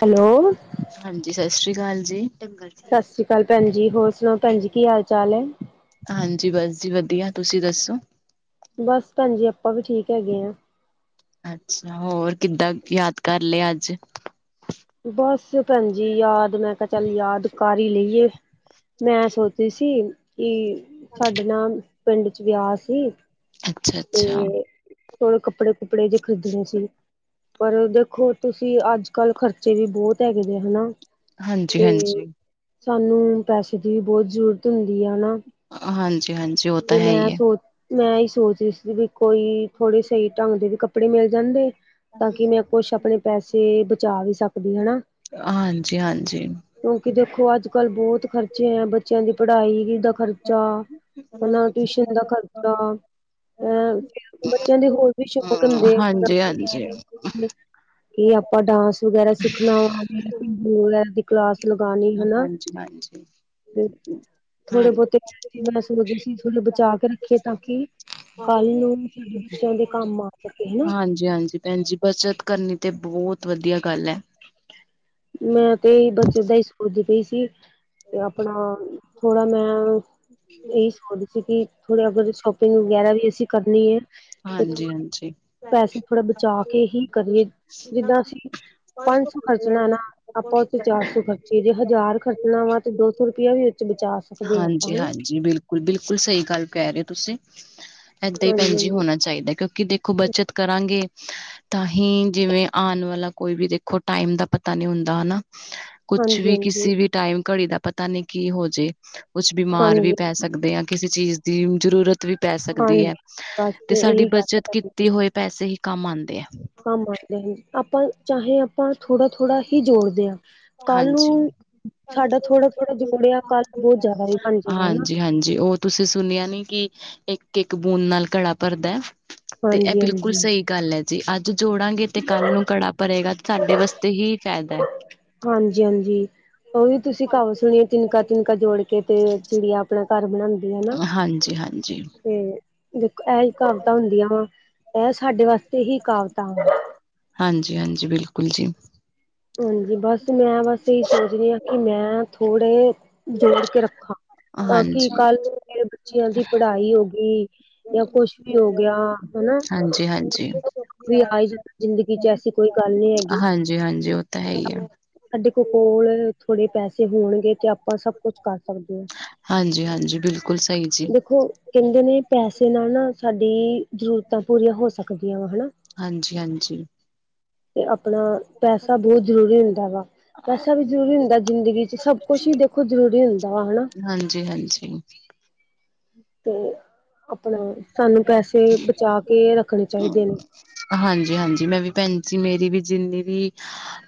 Hello. ਹਾਂਜੀ ਸਸ਼੍ਰੀ ਕਾਲ ਜੀ। ਸਸ੍ਰੀ ਕਾਲ ਭੈਨ ਜੀ, ਹੋਰ ਸੁਨਾਓ ਭੈਨ ਜੀ ਕੀ ਹਾਲ-ਚਾਲ ਐ? ਹਾਂਜੀ ਬਸ ਜੀ ਵਦੀਆ ਤੁਸੀਂ ਦੱਸੋ? ਬਸ ਭੈਨ ਜੀ ਆਪਾਂ ਵੀ ਠੀਕ ਹੈਗੇ ਆਂ। ਅੱਛਾ, ਹੋਰ ਕਿੱਦਾਂ ਯਾਦ ਕਰ ਲਿਆ ਅੱਜ? ਬਸ ਭੈਨ ਜੀ ਯਾਦ ਮੈਂ ਕਿਆ ਚੱਲ ਯਾਦ ਕਰ ਈ ਲਈਏ। ਮੈਂ ਐਂ ਸੋਚ ਰਈ ਸੀ ਕਿ ਸਾਡੇ ਨਾ ਪਿੰਡ ਚ ਵਿਆਹ ਸੀ। ਅੱਛਾ ਤੇ ਅੱਛਾ ਥੋੜੇ ਕੱਪੜੇ-ਕੁੱਪੜੇ ਜੇ ਖਰੀਦਨੇ ਸੀਗੇ। ਪਰ ਦੇਖੋ ਤੁਸੀਂ ਅੱਜ-ਕੱਲ ਖਰਚੇ ਵੀ ਬੋਤ ਹੈਗੇ ਨੇ ਹਨਾ। ਹਾਂਜੀ ਤੇ ਹਾਂਜੀ ਸਾਨੂੰ ਪੈਸੇ ਦੀ ਵੀ ਬੋਤ ਜ਼ਰੂਰਤ ਹੁੰਦੀ ਆ। ਹਨਾ ਹਾਂਜੀ ਹਾਂਜੀ ਉਹ ਤੇ ਤਾਂ ਹੈ ਮੈਂ ਹੀ ਹੈ ਸੋਚ ਮੈਂ ਏਈ ਸੋਚ ਰਈ ਸੀ ਵਈ ਕੋਈ ਥੋੜੇ ਸਈ ਢੰਗ ਦੇ ਵੀ ਕੱਪੜੇ ਮਿਲ ਜਾਂਦੇ। ਤਾਂ ਕਿ ਮੈਂ ਕੁਸ਼ ਆਪਨੇ ਪੈਸੇ ਬਚਾ ਵੀ ਸਕਦੀ ਹਨਾਂ। ਹਾਂਜੀ-ਹਾਂਜੀ। ਕਿਓਂਕਿ ਦੇਖੋ ਅੱਜ-ਕੱਲ ਬੋਤ ਖਰਚੇ ਐ ਬੱਚੇਆਂ ਦੀ ਪੜਾਈ ਦਾ ਖਰਚਾ ਹਨਾਂ ਟਿਊਸ਼ਨ ਦਾ ਖਰਚਾ ਐਂ ਫਿਰ ਬੱਚੇਆਂ ਦੇ ਹੋਰ ਵੀ ਸ਼ੌਂਕ ਹੁੰਦੇ ਐ ਹਾਂਜੀ ਹਾਂਜੀ ਹਾਂਜੀ [unintelligible] ਕੀ ਆਪਾਂ ਡਾਂਸ ਵਗੈਰਾ ਸਿੱਖਨਾ ਵੀ ਲੋੜ ਐ ਕਲਾਸ ਲਗਾਨੀ ਹਨਾ ਹਾਂਜੀ ਤੇ ਹਾਂ ਥੋੜੇ-ਬੋਤੇ ਮੈਂ ਏਂ ਸੋਚਦੀ ਸੀ ਥੋੜੇ ਬਚਾ ਕੇ ਰੱਖੇ ਤਾਂ ਕਿ ਕੱਲ ਨੂੰ ਸਾਡੇ ਬੱਚੇਆਂ ਦੇ ਕੰਮ ਆ ਸਕੇ ਹਨਾ ਹਾਂਜੀ-ਹਾਂਜੀ ਭੈਨ ਜੀ ਬੱਚਤ ਕਰਨੀ ਤੇ ਬੋਤ ਵਦੀਆ ਗੱਲ ਐ। ਮੈਂ ਤੇ ਏਈ ਬੱਚਤ ਦਾ ਈ ਸੋਚਦੀ ਪਈ ਸੀ। ਤੇ ਆਪਣਾ ਥੋੜਾ ਮੈਂ ਏਹੀ ਸੋਚਦੇ ਸੀ ਕਿ ਥੋੜੇ ਅਗਰ ਸ਼ੋਪਿੰਗ ਵਗੈਰਾ ਵੀ ਅਸੀਂ ਕਰਨੀ ਐ ਤੇ ਹਾਂਜੀ ਹਾਂਜੀ। ਪੈਸੇ ਥੋੜਾ ਬਚਾ ਕੇ ਹੀ ਕਰੀਏ ਜਿੱਦਾਂ ਅਸੀਂ ਪੰਜ ਸੌ ਖਰਚ ਖਰਚਣਾ ਨਾ ਆਪਾਂ ਉੱਥੇ ਚਾਰ ਸੌ ਖਰਚੀ ਏ ਜੇ ਹਜ਼ਾਰ ਖਰਚ ਣਾ ਵਾ ਤੇ ਦੋ ਸੌ ਰੁਪਇਆ ਵੀ ਉਚ ਬਚਾ ਸਕਦੇ ਆ ਆਪਾਂ ਹਾਂਜੀ ਹਨਾ। ਹਾਂਜੀ ਬਿਲਕੁਲ, ਬਿਲਕੁਲ ਸਹੀ ਗੱਲ ਕਹਿ ਰਹੇ ਓ ਤੁਸੀਂ ਏਦਾਂ ਹੀ ਭੈਣ ਹਾਂਜੀ ਜੀ ਹਾਂਜੀ ਹੋਣਾ ਚਾਹੀਦਾ ਕਿਉਂਕਿ ਦੇ ਦੇਖੋ ਬੱਚਤ ਕਰਾਂਗੇ। ਤਾਂ ਹੀ ਜਿਵੇਂ ਆਣ ਵਾਲਾ ਕੋਈ ਵੀ ਦੇਖੋ ਟਾਈਮ ਦਾ ਪਤਾ ਨੀ ਹੁੰਦਾ ਹਨਾ ਕੁਛ ਹਾਂਜੀ ਵੀ ਕਿਸੀ ਵੀ ਟਾਈਮ ਘੜੀ ਦਾ ਪਤਾ ਨੀ ਕੀ ਹੋਜੇ ਕੁਛ ਬਿਮਾਰ ਵੀ ਹਾਂਜੀ ਹਾਂਜੀ ਪੈ ਸਕਦੇ ਆ ਕਿਸੇ ਚੀਜ਼ ਦੀ ਜਰੂਰਤ ਵੀ ਪੈ ਸਕਦੀ ਹਾਂਜੀ ਐ ਬਸ ਤੇ ਸਾਡੀ ਇਹੀ ਬੱਚਤ ਗੱਲ ਕੀਤੀ ਹੈ। ਹੋਏ ਪੈਸੇ ਹੀ ਕੰਮ ਆਂਦੇ ਆ। ਕੰਮ ਆਦੇ ਆ ਜੀ ਆਪਾਂ ਚਾਹੇ ਆਪਾਂ ਥੋੜਾ-ਥੋੜ੍ਹਾ ਹੀ ਜੋੜਦੇ ਆ ਹਾਂਜੀ, ਥੋੜ੍ਹਾ ਜੋੜਿਆ ਕੱਲ ਬਹੁਤ ਜ਼ਿਆਦਾ ਵੀ ਬਣ ਜਾਏਗਾ ਹਨਾ ਹਾਂਜੀ, ਹਾਂਜੀ ਉਹ ਤੁਸੀਂ ਸੁਣਿਆ ਨੀ ਕਿ ਇੱਕ-ਇੱਕ ਬੂੰਦ ਨਾਲ ਘੜਾ ਭਰਦਾ। ਤੇ ਐ ਹਾਂਜੀ ਬਿਲਕੁਲ ਹਾਂਜੀ ਸਈ ਗੱਲ ਐ। ਜੀ ਅੱਜ ਜੋੜਾਂਗੇ ਤੇ ਕੱਲ ਨੂੰ ਘੜਾ ਭਰੇਗਾ ਤੇ ਸਾਡੇ ਵਾਸਤੇ ਹੀ ਫੈਦਾ ਏ। ਹਾਂਜੀ, ਹਾਂਜੀ। ਉਹ ਵੀ ਤੁਸੀਂ ਕਹਾਵਤ ਸੁਣੀ ਤਿਨਕਾ-ਤਿਨਕਾ ਜੋੜ ਕੇ ਤੇ ਚਿੜੀਆ ਆਪਣਾ ਘਰ ਬਣਾਂਦੀ ਆ ਹਨਾ। ਹਾਂਜੀ, ਹਾਂਜੀ। ਤੇ ਦੇਖੋ ਐਹ ਹੀ ਕਹਾਵਤਾਂ ਹੁੰਦੀਆਂ ਵਾ ਐਹ ਸਾਡੇ ਵਾਸਤੇ ਹੀ ਕਹਾਵਤਾਂ ਵਾ ਹਾਂਜੀ, ਹਾਂਜੀ ਬਿਲਕੁਲ ਜੀ। ਹਾਂਜੀ ਬਸ ਮੈਂ ਬਸ ਇਹੀ ਸੋਚ ਰਹੀ ਆ ਕਿ ਮੈਂ ਥੋੜੇ ਜੋੜ ਕੇ ਰੱਖਾ ਤਾਂ ਕਿ ਹਾਂਜੀ, ਕੱਲ੍ਹ ਮੇਰੇ ਬੱਚਿਆਂ ਦੀ ਪੜ੍ਹਾਈ ਹੋਗੀ। ਜਾਂ ਕੁਛ ਵੀ ਹੋ ਗਿਆ ਹਨਾ ਹਾਂਜੀ, ਹਾਂਜੀ। ਵੀ ਆਈ ਜ਼ਿੰਦਗੀ ਚ ਐਸੀ ਕੋਈ ਗੱਲ ਨੀ ਹੈਗੀ। ਜੀ ਹਾਂਜੀ ਉਹ ਤਾਂ ਹੈ ਈ ਏ। ਸਾਡੇ ਕੋ ਕੋਲ ਥੋੜੇ ਪੈਸੇ ਹੋਣਗੇ ਤੇ ਆਪਾਂ ਸਭ ਕੁਛ ਕਰ ਸਕਦੇ ਆ, ਹਾਂਜੀ, ਹਾਂਜੀ ਬਿਲਕੁਲ ਸਹੀ ਜੀ, ਦੇਖੋ ਕਹਿੰਦੇ ਨੇ ਪੈਸੇ ਨਾਲ ਨਾ ਸਾਡੀ ਜ਼ਰੂਰਤਾਂ ਪੂਰੀਆਂ ਹੋ ਸਕਦੀਆਂ ਵਾ ਹਨਾ ਹਾਂਜੀ ਹਾਂਜੀ ਤੇ ਆਪਣਾ ਪੈਸਾ ਬਹੁਤ ਜ਼ਰੂਰੀ ਹੁੰਦਾ ਵਾ ਪੈਸਾ ਵੀ ਜ਼ਰੂਰੀ ਹੁੰਦਾ ਜ਼ਿੰਦਗੀ ਚ ਸਭ ਕੁਛ ਹੀ ਦੇਖੋ ਜ਼ਰੂਰੀ ਹੁੰਦਾ ਵਾ ਹਨਾ ਹਾਂਜੀ-ਹਾਂਜੀ ਤੇ ਆਪਣਾ ਸਾਨੂੰ ਪੈਸੇ ਬਚਾ ਕੇ ਰੱਖਣੇ ਚਾਹੀਦੇ ਨੇ। ਹਾਂਜੀ ਹਾਂਜੀ ਮੈਂ ਵੀ ਭੈਣ ਜੀ ਮੇਰੀ ਵੀ ਜਿੰਨੀ ਵੀ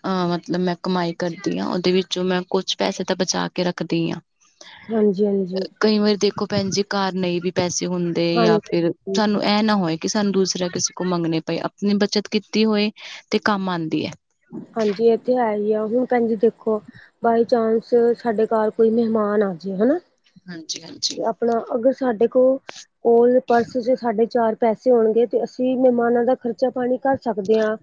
ਅਹ ਮਤਲਬ ਮੈਂ ਕਮਾਈ ਕਰਦੀ ਆ ਉਹਦੇ ਵਿੱਚੋਂ ਮੈਂ ਕੁਛ ਪੈਸੇ ਤਾਂ ਬਚਾ ਕੇ ਰੱਖਦੀ ਆ ਹਾਂਜੀ ਹਾਂਜੀ। ਕਈ ਵਾਰੀ ਦੇਖੋ ਭੈਣ ਜੀ ਘਾਰ ਨਹੀਂ ਵੀ ਪੈਸੇ ਹੁ ਦੇ ਤੇ ਹਾਂ ਜਾਂ ਫੇਰ ਸਾਨੂੰ ਐਹ ਨਾ ਹੋਏ ਕਿ ਸਾਨੂੰ ਦੂਸਰਾ ਕਿਸੇ ਕੋਲ ਮੰਗਣੇ ਪਏ ਆਪਣੀ ਬੱਚਤ ਕੀਤੀ ਹੋਏ ਤੇ ਕੰਮ ਆਂਦੀ ਐ ਹਾਂਜੀ ਇੱਥੇ ਤੇ ਹੈ ਹੀ ਆ ਹੁਣ ਭੈਣਜੀ ਦੇਖੋ ਵਾਈ ਚਾਨਸ ਸਾਡੇ ਘਰ ਕੋਈ ਮਹਿਮਾਨ ਆ ਜੇ ਹਨਾ ਹਾਂਜੀ-ਹਾਂਜੀ ਤੇ ਆਪਣਾ ਅਗਰ ਸਾਡੇ ਕੋਲ ਕੋਲ ਪਰਸ ਚ ਸਾਡੇ ਚਾਰ ਪੈਸੇ ਹੋਣਗੇ ਤੇ ਅਸੀਂ ਮਹਿਮਾਨਾਂ ਦਾ ਖਰਚਾ ਪਾਣੀ ਕਰ ਸਕਦੇ ਹਾਂ,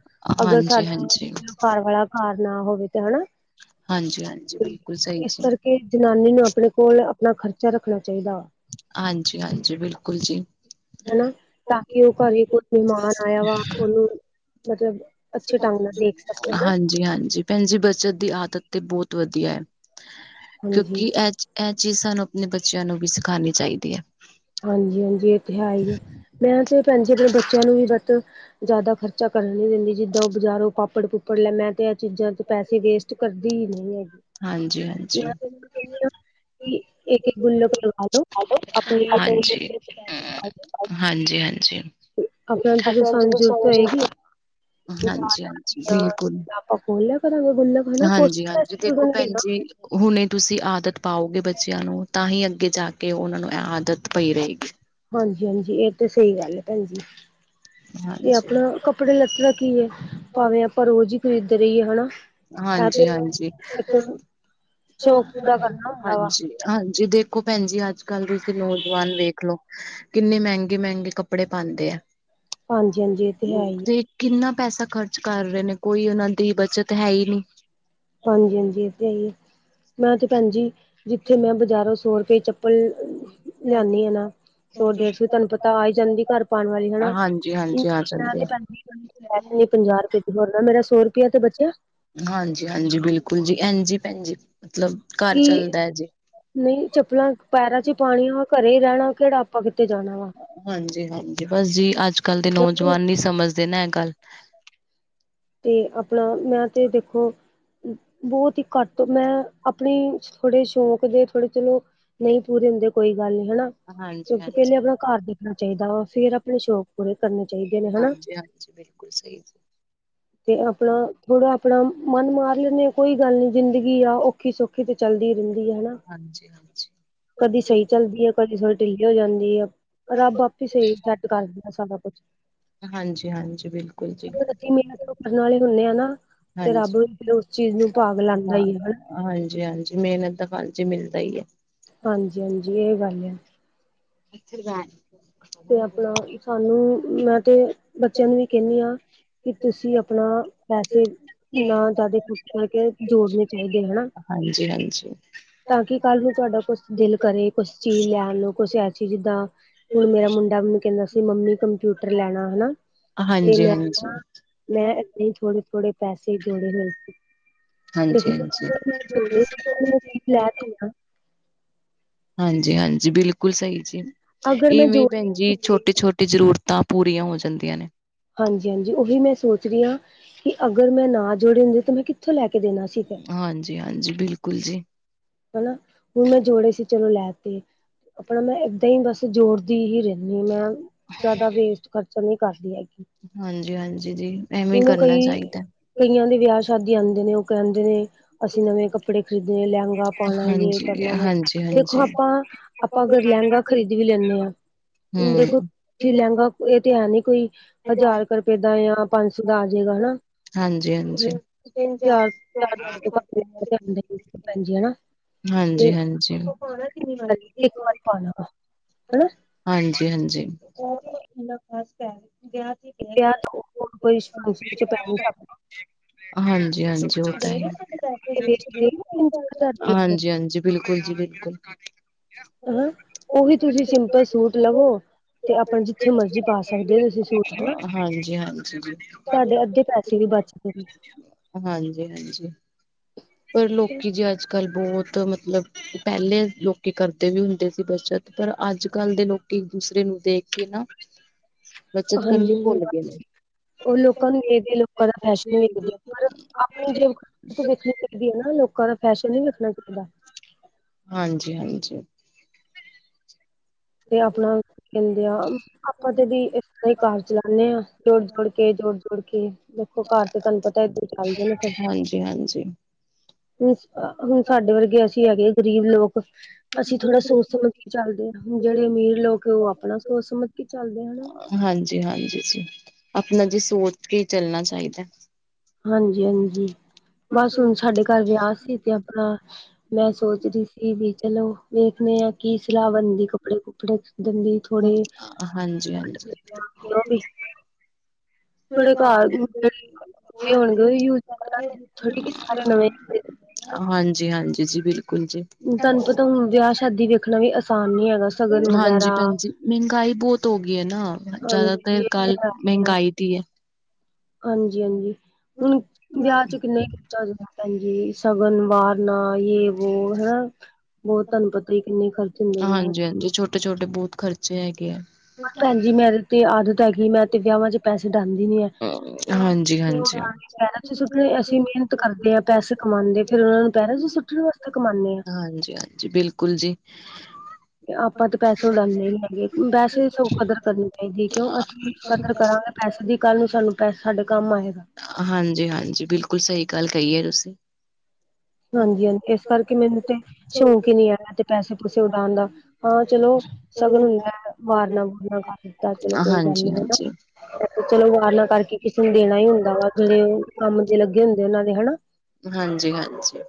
ਅਗਰ ਹਾਂਜੀ ਹਾਂਜੀ। ਸਾਡਾ ਘਰ ਵਾਲਾ ਘਰ ਨਾ ਹੋਵੇ ਤਾਂ ਹਨਾ। ਹਾਂਜੀ -ਹਾਂਜੀ ਬਿਲਕੁਲ ਸਹੀ ਜੀ। ਕਿ ਜਨਾਨੀ ਨੂੰ ਆਪਣੇ ਕੋਲ ਆਪਣਾ ਖ਼ਰਚਾ ਰੱਖਣਾ ਚਾਹੀਦਾ ਵਾ। ਹਾਂਜੀ -ਹਾਂਜੀ ਬਿਲਕੁਲ ਜੀ! ਹਨਾ, ਤਾਂ ਕਿ ਉਹ ਘਰੇ ਕੋਈ ਮਹਿਮਾਨ ਆਇਆ ਵਾ ਉਹਨੂੰ ਮਤਲਬ ਅੱਛੇ ਢੰਗ ਨਾਲ ਦੇਖ ਸਕੇ ਹਨਾ ਭੈਣਜੀ ਬਚਤ ਦੀ ਆਦਤ ਤੇ ਬਹੁਤ ਵਧੀਆ ਹੈ, ਹਾਂਜੀ। ਕਿਉਂਕਿ ਅਜ ਇਹ ਚੀਜ਼ ਸਾਨੂੰ ਆਪਣੇ ਬੱਚਿਆਂ ਨੂੰ ਵੀ ਸਿਖਾਣੀ ਚਾਹੀਦੀ ਹੈ। ਹਾਂਜੀ -ਹਾਂਜੀ ਇਹ ਤੇ ਹੈ ਹੀ ਏ, ਮੈਂ ਤੇ ਭੈਣ ਜੀ ਆਪਣੇ ਬੱਚਿਆਂ ਨੂੰ ਵੀ ਬਸ ਜ਼ਿਆਦਾ ਖਰਚਾ ਕਰਨ ਨੀ ਦਿੰਦੀ, ਜਿੱਦਾਂ ਉਹ ਬਾਜ਼ਾਰੋਂ ਪਾਪੜ- ਪੂਪੜ ਲੈ ਮੈਂ ਤੇ ਇਹ ਚੀਜ਼ਾਂ ਚ ਪੈਸੇ ਵੇਸਟ ਕਰਦੀ ਹੀ ਨਹੀਂ ਹੈਗੀ। ਹਾਂਜੀ ਹਾਂਜੀ। ਇੱਕ- ਇੱਕ ਗੁੱਲਕ ਲਾਲੋ, ਆਪਣੇ ਹਾਂਜੀ -ਹਾਂਜੀ! ਹਾਂਜੀ -ਹਾਂਜੀ ਆਪਣਾ ਜਦੋਂ ਸਾਨੂੰ ਜ਼ਰੂਰਤ ਹੋਏਗੀ ਬਿਲਕੁਲ! ਅਕੋਲਲਾ ਕਰ ਗ ਗੁੱਲ ਖਣਣਾ ਪਸ ਹਾਂਜੀ-ਹਾਂਜੀ, ਬ ਦੇਖੋ ਭੈਣ ਗਣਾ [unintelligible] ਜੀ ਹੁਣੇ ਤੁਸੀਂ ਆਦਤ ਪਾਓਗੇ ਬੱਚਿਆਂ ਨੂੰ, ਤਾਂ ਹੀ ਅੱਗੇ ਜਾ ਕੇ ਉਹਨਾਂ ਨੂੰ ਆਦਤ ਪਈ ਰਹੇਗੀ। ਹਾਂਜੀ- ਹਾਂਜੀ ਇਹ ਤੇ ਸਹੀ ਗੱਲ ਹੈ ਭੈਣ ਜੀ। ਤੇ ਹਾਂਜੀ, ਆਪਣਾ ਕੱਪੜੇ ਲੱਤੇ ਦਾ ਕੀ ਹੈ, ਭਾਵੇਂ ਆਪਾਂ ਰੋਜ਼ ਹੀ ਖ਼ਰੀਦਦੇ ਰਹੀਏ ਹਨਾ। ਇਹ ਤੇ ਹਾਂਜੀ- ਹਾਂਜੀ ਇੱਕ ਸ਼ੌਕ ਪੂਰਾ ਕਰਨਾ ਹੁੰਦਾ ਵਾ ਹਾਂਜੀ! ਹਾਂਜੀ, ਦੇਖੋ ਭੈਣ ਜੀ ਅੱਜ ਕੱਲ ਦੇ ਤੁਸੀਂ ਨੌਜਵਾਨ ਵੇਖ ਲੋ ਕਿੰਨੇ ਮਹਿੰਗੇ -ਮਹਿੰਗੇ ਕੱਪੜੇ ਪਾਉਂਦੇ ਆ, ਹਾਂਜੀ ਹਾਂਜੀ ਇਹ ਹੈ ਹੀ ਹੈ, ਤੇ ਕਿੰਨਾ ਪੈਸਾ ਖਰਚ ਕਰ ਰਹੇ ਨੇ, ਕੋਈ ਉਹਨਾਂ ਦੀ ਬੱਚਤ ਹੈ ਹੀ ਨਹੀਂ। ਹਾਂਜੀ -ਹਾਂਜੀ ਇਹ ਤੇ ਆ ਹੀ ਆ, ਮੈਂ ਤੇ ਭੈਣਜੀ ਜਿੱਥੇ ਮੈਂ ਬਾਜ਼ਾਰੋਂ ਸੌ ਰੁਪਏ ਚੱਪਲ ਜਾਂਦੀ ਹੈ ਨਾ, ਸੌ ਡੇਢ ਸੌ ਤੈਨੂੰ ਪਤਾ ਆ ਹੀ ਜਾਂਦੀ ਘਰ ਪਾਉਣ ਵਾਲੀ ਹਨਾ ਹਾਂਜੀ-ਹਾਂਜੀ, ਆ ਮੈਂ ਤੇ ਜਾਂਦੇ। ਪੰਜਾਹ ਰੁਪਏ ਦੀ, ਹੋਰ ਨਾ ਮੇਰਾ ਸੋ ਰੁਪਇਆ ਤੇ ਬਚਿਆ। ਹਾਂਜੀ -ਹਾਂਜੀ ਬਿਲਕੁਲ ਜੀ, ਇੰਜੀ ਭੈਣ ਜੀ, ਮਤਲਬ ਘਰ ਕਿ ਚੱਲਦਾ ਹੈ ਜੀ। ਨਹੀਂ ਚੱਪਲਾਂ ਪੈਰਾਂ 'ਚ ਹੀ ਪਾਣੀਆਂ ਵਾ, ਘਰੇ ਹੀ ਰਹਿਣਾ, ਕਿਹੜਾ ਆਪਾਂ ਕਿਤੇ ਜਾਣਾ ਵਾ ਹਾਂਜੀ -ਹਾਂਜੀ ਬਸ ਜੀ, ਅੱਜ ਕੱਲ ਦੇ ਨੌਜਵਾਨ ਨੀ ਸਮਝਦੇ ਨਾ ਇਹ ਗੱਲ। ਤੇ ਆਪਣਾ ਮੈਂ ਤੇ ਦੇਖੋ ਬਹੁਤ ਹੀ ਘੱਟ ਮੈਂ ਆਪਣੀ ਥੋੜੇ ਸ਼ੌਂਕ ਦੇ ਥੋੜੇ ਚਲੋ, ਨਹੀਂ ਪੂਰੇ ਹੁੰਦੇ ਕੋਈ ਗੱਲ ਨਹੀਂ ਹਨਾ। ਕਿਉਂਕਿ, ਹਾਂਜੀ-ਹਾਂਜੀ। ਪਹਿਲੇ ਆਪਣਾ ਘਰ ਦੇਖਣਾ ਚਾਹੀਦਾ ਵਾ, ਫੇਰ ਆਪਣੇ ਸ਼ੌਕ ਪੂਰੇ ਕਰਨੇ ਚਾਹੀਦੇ ਨੇ ਹਨਾ। ਹਾਂਜੀ, ਬਿਲਕੁਲ ਸਹੀ ਦੇ। ਤੇ ਆਪਣਾ ਥੋੜਾ ਆਪਣਾ ਮਨ ਮਾਰ ਲੈਂਣੇ ਹਾਂ, ਕੋਈ ਗੱਲ ਨੀ ਜ਼ਿੰਦਗੀ ਆ ਔਖੀ ਸੌਖੀ ਸੌਖੀ ਤੇ ਚੱਲਦੀ ਰਹਿੰਦੀ ਹੈ ਹਨਾ। ਹਾਂਜੀ -ਹਾਂਜੀ। ਕਦੀ ਸਹੀ ਚੱਲਦੀ ਏ, ਕਦੀ ਸਗੋਂ ਢਿੱਲੀ ਹੋ ਜਾਂਦੀ ਏ, ਰੱਬ ਆਪ ਹੀ ਸਹੀ ਸੈੱਟ ਕਰਦੋ। ਅ ਸਾਂ ਦਾ ਕੁਛ ਹਾਂਜੀ -ਹਾਂਜੀ, ਬਿਲਕੁਲ ਜੀ -ਬਿਲਕੁਲ। ਕਈ ਮਿਹਨਤ ਉਹ ਕਰਨ ਵਾਲੇ ਹੁੰਦੇ ਆ ਨਾ, ਤੇ ਰੱਬ ਹਾਂਜੀ। ਵੀ ਫਿਰ ਉਸ ਚੀਜ਼ ਨੂੰ ਭਾਗ ਲਾਦਾ ਹੀ ਏ ਹਨਾ। ਹਾਂਜੀ -ਹਾਂਜੀ, ਮਿਹਨਤ ਦਾ ਫਲ ਜੀ ਮਿਲਦਾ ਹੀ ਐ। ਹਾਂਜੀ- ਹਾਂਜੀ, ਇਹ ਗੱਲ ਐ। ਅੱਥਰ ਗ [unintelligible] ਤੇ ਆਪਣਾ ਸਾਨੂੰ ਮੈਂ ਤੇ ਬੱਚਿਆਂ ਨੂੰ ਵੀ ਕਹਿ ਨੀ ਆ ਕੀ ਤੁਸੀਂ ਆਪਣਾ ਪੈਸੇ ਨਾ ਕਿਆ ਥਾ ਜ਼ਿਆਦਾ ਖਰਚ ਕਰਕੇ ਜੋੜਨੇ ਚਾਹੀਦੇ ਹਨਾ ਹਾਂਜੀ ਈ ਹਾਂਜੀ ਈ ਤਾਂ ਕਿ ਕੱਲ ਨੂੰ ਤੁਹਾਡਾ ਕੋਈ ਦਿਲ ਕਰੇ ਏ ਕੁਛ ਚੀਜ਼ ਲੈਣ ਨੂੰ ਕੁਛ ਐਸੀ ਜਿੱਦਾਂ ਆ ਹੁਣ ਮੇਰਾ ਮੁੰਡਾ ਮੈਨੂੰ ਕਹਿੰਦਾ ਸੀ ਮੰਮੀ ਕੰਪਿਊਟਰ ਲੈਣਾ ਹਨਾ ਤੇ ਮੈਂ ਹਾਂਜੀ-ਹਾਂਜੀ, ਮੈਂ ਐ ਨਹੀਂ ਥੋੜੇ ਥੋੜੇ ਪੈਸੇ ਜੋੁੜੇ ਹੋਏ ਨੇ। ਹਾਂਜੀ ਈ ਹਾਂਜੀ ਹੁਣ ਈ ਹਾਂਜੀ ਈ ਹਾਂਜੀ ਈ ਬਿਲਕੁਲ ਸਹੀ ਜੀ ਅਗਰ ਮੈਂ ਇਵੇਂ ਜੋੜ ਭੈਣ ਜੀ ਛੋਟੀ ਛੋਟੀ ਜ਼ਰੂਰਤਾਂ ਪੂਰੀਆਂ ਹੋ ਜਾਂਦੀਆਂ ਨੇ। ਹਾਂਜੀ ਈ ਹਾਂਜੀ ਈ ਉਹੀ ਮੈਂ ਸੋਚ ਰਹੀ ਹਾਂ ਕਿ ਅਗਰ ਮੈਂ ਨਾ ਜੋੜੇ ਹੁੰਦੇ ਤਾਂ ਮੈਂ ਕਿਥੇ ਕਿੱਥੋਂ ਲੈ ਕੇ ਦੇਣਾ ਸੀ ਫਿਰ। ਜੀ ਹਾਂਜੀ ਈ ਬਿਲਕੁਲ ਜੀ। ਹਨਾ ਹੁਣ ਮੈਂ ਜੋੜੇ ਸੀ ਚਲੋ ਲੈ ਤੇ ਆਪਣਾ ਮੈਂ ਏਦਾਂ ਹੀ ਬਸ ਜੋੜਦੀ ਹੀ ਰਹਿ ਨੀ ਆ ਮੈਂ ਜ਼ਿਆਦਾ ਵੇਸਟ। ਖਰਚਾ ਨਹੀਂ ਈ ਕਰਦੀ ਹੈਗੀ। ਹਾਂਜੀ ਈ ਹਾਂਜੀ ਈ ਜੀ। ਐਵੇਂ ਹੀ ਓਨੂੰ ਕਈ ਕਰਨਾ ਚਾਹੀਦਾ। ਕਈਆਂ ਦੇ ਵਿਆਹ ਸ਼ਾਦੀ ਆਦੇ ਨੇ ਉਹ ਕਹਿੰਦੇ ਨੇ ਅਸੀਂ ਨਵੇਂ ਕੱਪੜੇ ਖਰੀਦਣੇੱ ਲਹਿੰਗਾ ਪਾਉਣਾ ਯੇ ਕਰਨਾ ਵੋ ਦੇਖੋ ਹਾਂਜੀ-ਹਾਂਜੀ-ਹਾਂਜੀ। ਆਪਾਂ ਆਪਾਂ ਅਗਰ ਲਹਿੰਗਾ ਖਰੀਦ ਵੀ ਲੈਂਣੇ ਆ। ਦੇਖੋ ਹੂੰ, ਤੁਸੀਂ ਲਹਿੰਗਾ ਇਹ ਤੇ ਹੈ ਨੀ ਕੋਈ ਹਜ਼ਾਰ ਕਰ ਰੁਪਏ ਜਾਂ ਪੰਜ ਸੌ ਦਾ ਆ ਜਾਏਗਾ ਹਨਾ। ਹਾਂਜੀ ਈ ਹਾਂਜੀ ਈ ਭੈਣਜੀ ਹਨਾ। ਹਾਂਜੀ ਤੇ ਈ ਹਾਂਜੀ ਈ ਹਨ ਹਾਂ ਹਨਾ। ਹਾਂਜੀ ਈ ਹਾਂਜੀ ਈ ਲਵ ਫਸਟ ਆ ਗਿਆ। ਗਿਆ ਕੋਈ ਪੈ ਹਾਂਜੀ ਈ ਹਾਂਜੀ ਈ ਉਹ ਤਾਂ ਹੈ ਵੇਸਟ ਗਏ ਨਾ ਤਿੰਨ ਚਾਰ ਹਜ਼ਾਰ ਰੁਪਏ ਫਿਰ ਹਾਂਜੀ ਈ ਹਾਂਜੀ ਈ ਬਿਲਕੁਲ ਜੀ ਬਿਲਕੁਲ। ਅਹਾਂ ਉਹੀ ਤੁਸੀਂ ਸਿੰਪਲ ਸੂਟ ਲਵੋ ਤੇ ਆਪਣਾ ਜਿੱਥੇ ਮਰਜੀ ਪਾ ਸਕਦੇ ਹੋ ਤੁਸੀਂ ਸੂਟ ਹਨਾ ਹਾਂਜੀ-ਹਾਂਜੀ ਜੀ। ਤੁਹਾਡੇ ਅੱਧੇ ਪੈਸੇ ਵੀ ਬਚਦੇ ਨੇ। ਹਾਂਜੀ ਈ ਹਾਂਜੀ ਈ ਪਰ ਲੋਕੀ ਜੇ ਅੱਜ ਕੱਲ ਬਹੁਤ ਮਤਲੱਬ। ਪਹਿਲੇ ਲੋਕੀ ਕਰਦੇ ਵੀ ਹੁੰਦੇ ਸੀ ਬੱਚਤ ਪਰ ਅੱਜ ਕੱਲ੍ਹ ਦੇ ਲੋਕੀ ਇੱਕ ਦੂਸਰੇ ਨੂੰ ਦੇਖ ਕੇ ਨਾ। [unintelligible] ਹਾਂਜੀ ਕਰਨੀ ਈ ਭੁੱਲ ਗਏ ਨੇ। ਉਹ ਲੋਕਾਂ ਨੂੰ ਵੇਖਦੇ ਆ ਲੋਕਾਂ ਦਾ ਫੈਸ਼ਨ ਵੇਖਦੇ ਵੇਖਦੇ ਲੋਕਾਂ ਦਾ ਫੈਸ਼ਨ ਨਹੀਂ ਵੇਖਣਾ ਚਾਹੀਦਾ ਹਾਂਜੀ ਈ ਹਾਂਜੀ ਈ ਤੇ ਆਪਣਾ ਕਹਿੰਦੇ ਆ ਆਪਾਂ ਤੇ ਵੀ ਅਸੀਂ ਘਰ ਚਲਾਉਂਦੇ ਹਾਂ ਜੋੜ ਜੋੜ ਕੇ ਜੋੜ ਜੋੜ ਕੇ ਦੇਖੋ ਘਰ ਤੇ ਤੁਹਾਨੂੰ ਪਤਾ ਏਦ ਚਲਦੇ ਨੇ ਫਿਰ ਹਾਂਜੀ-ਹਾਂਜੀ, ਹ ਹੁਣ ਸਾਡੇ ਵਰਗੇ ਅਸੀਂ ਹੈਗੇ ਆ ਗਰੀਬ ਲੋਕ ਅਸੀਂ ਥੋੜਾ ਸੋਚ ਸਮਝ ਕੇ ਚੱਲਦੇ ਹਾਂ ਜਿਹੜੇ ਅਮੀਰ ਲੋਕ ਆ ਉਹ ਆਪਣਾ ਸੋਚ ਸਮਝ ਕੇ ਚੱਲਦੇ ਹਨਾ ਹਾਂਜੀ ਈ ਹਾਂਜੀ ਈ ਜੀ ਆਪਣਾ ਜੀ ਸੋਚ ਕੇ ਹੀ ਚੱਲਣਾ ਚਾਹੀਦਾ। ਹਾਂਜੀ ਈ ਹਾਂਜੀ ਈ ਬਸ ਹੁਣ ਸਾਡੇ ਘਰ ਵਿਆਹ ਸੀ ਤੇ ਆਪਣਾ, ਮੈਂ ਸੋਚ ਰੀ ਸੀ ਵੀ ਚਲੋ ਵੇਖਦੇ ਆ ਕੀ ਸਲਾਹ ਬਣਦੀ ਕੱਪੜੇ-ਕੁਪੜੇ ਹਾਂਜੀ-ਹਾਂਜੀ, ਕਿਉਂ ਵੀ ਥੋੜੇ [inaudible] ਘਰ ਜਿਹੜੇ ਹੋਣਗੇ ਉਹ ਯੂਜ ਕਰਾਂਗੇ ਥੋੜੀ ਕਿ ਸਾਰੇ ਨਵੇਂ ਹਾਂਜੀ-ਹਾਂਜੀ ਜੀ, ਬਿਲਕੁਲ ਜੀ। ਤੁਹਾਨੂੰ ਪਤਾ ਹੁਣ ਵਿਆਹ ਸ਼ਾਦੀ ਵੇਖਣਾ ਵੀ ਆਸਾਨ ਨੀ ਹੈਗਾ ਸ਼ਗਨ ਹਾਂਜੀ ਵਗੈਰਾ ਭੈਣ ਜੀ। ਮਹਿੰਗਾਈ ਬੋਤ ਹੋ ਗਈ ਐ ਨਾ ਜ਼ਿਆਦਾਤਰ ਹਾਂਜੀ ਗੱਲ ਮਹਿੰਗਾਈ ਦੀ ਐ। ਹਾਂਜੀ-ਹਾਂਜੀ, ਹੁਣ ਵਿਆਹ ਚ ਕਿੰਨਾ ਈ ਖਰਚਾ ਹੋ ਜਾਂਦਾ ਭੈਣ ਜੀ ਸ਼ਗਨ ਵਾਰਨਾ ਜੇ ਵੋ ਹਨਾ, ਬੋਤ ਤੁਹਾਨੂੰ ਪਤਾ ਈ ਕਿੰਨੇ ਖਰਚ ਹੁੰਦੇ ਤੇ ਛੋਟੇ ਬੋਤ ਖਰਚੇ ਹੈਗੇ ਐ। ਭੈਣ ਜੀ ਮੇਰੀ ਤੇ ਆਦਤ ਹੈਗੀ ਮੈਂ ਤੇ ਵਿਆਹਾਂ ਚ ਪੈਸੇ ਡਾਂਦੀ ਨੀ। ਹਾਂਜੀ-ਹਾਂਜੀ, ਪੈਰਾਂ ਚ ਸੁੱਟਣੇ ਅਸੀਂ ਮਿਹਨਤ ਕਰਦੇ ਆ, ਪੈਸੇ ਕਮਾਂਦੇ ਫਿਰ ਉਹਨਾਂ ਨੂੰ ਪੈਰਾਂ ਚ ਸੁੱਟਣ ਵਾਸਤੇ ਕਮਾਨੇ ਆ ਹਾਂਜੀ-ਹਾਂਜੀ, ਬਿਲਕੁਲ ਜੀ। ਆਪਾਂ ਤਾਂ ਪੈਸੇ ਉਡਾਂਦੇ ਨੀ ਹੈਗੇ ਬੇਸੇ ਸਗੋ ਕਦਰ ਕਰਨੀ ਚਾਹੀਦੀ ਐ ਕਿਉਂ ਅਸੀਂ ਕਦਰ ਕਰਾਂਗੇ। ਪੈਸੇ ਦੀ ਕੱਲ੍ਹ ਨੂੰ ਸਾਨੂੰ ਪੈਸੇ ਸਾਡੇ ਕੰਮ ਆਏਗਾ ਹਾਂਜੀ-ਹਾਂਜੀ ਬਿਲਕੁਲ ਸਹੀ ਗੱਲ ਕਈ ਐ ਤੁਸੀਂ ਹਾਂਜੀ-ਹਾਂਜੀ ਇਸ ਕਰਕੇ ਮੈਨੂੰ ਤੇ ਸ਼ੌਂਕ ਈ ਨੀ ਹੈਗਾ ਤੇ ਪੈਸੇ-ਪੂਸੇ ਉਡਾਉਣ ਦਾ, ਹਾ ਚਲੋ। ਸ਼ਗਨ ਹੁੰਦਾ ਵਾਰਨਾ-ਵੁਰਨਾ ਕਰ ਦਿੱਤਾ ਚਲੋ ਕੋਈ ਗੱਲ ਨੀ ਹਾਂਜੀ ਹਨਾ ਹਾਂਜੀ ਚਲੋ ਵਾਰਨਾਂ ਕਰਕੇ ਕਿਸੇ ਨੂੰ ਦੇਣਾ ਈ ਹੁੰਦਾ ਵਾ ਜਿਹੜੇ ਉਹ ਕੰਮ ਦੇ ਲੱਗੇ ਹੁੰਦੇ ਉਹਨਾਂ ਦੇ ਹਨਾ ਹਾਂਜੀ-ਹਾਂਜੀ,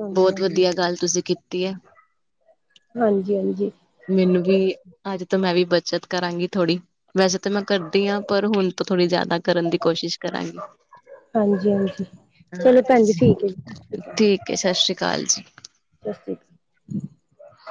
ਹਾਂਜੀ ਬੋਤ ਵਧੀਆ ਗੱਲ ਤੁਸੀਂ ਕੀਤੀ ਐ ਹਾਂਜੀ-ਹਾਂਜੀ, ਮੈਨੂੰ ਵੀ, ਅੱਜ ਤੋਂ ਮੈਂ ਵੀ ਬੱਚਤ ਕਰਾਂਗੀ ਥੋੜੀ ਵੈਸੇ ਤਾਂ ਮੈਂ ਕਰਦੀ ਆ ਪਰ ਹੁਣ ਤੋ ਥੋੜ੍ਹੀ ਜਿਆਦਾ ਕਰਨ ਦੀ ਕੋਸ਼ਿਸ਼ ਕਰਾਂਗੀ। ਹਾਂਜੀ ਹਾਂਜੀ ਚਲੋ ਭੈਣ ਜੀ ਠੀਕ ਹੈ ਜੀ ਸਤਿ ਸ਼੍ਰੀ ਅਕਾਲ ਠੀਕ ਐ, ਸਤਿ ਸ੍ਰੀ ਅਕਾਲ ਜੀ। [inaudible]